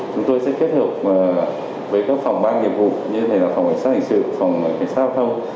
chúng tôi sẽ kết hợp với các phòng ban nghiệp vụ như phòng xã hội sự phòng xã hội thông